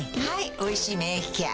「おいしい免疫ケア」